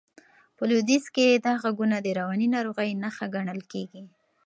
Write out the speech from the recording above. په لوېدیځ کې دا غږونه د رواني ناروغۍ نښه ګڼل کېږي.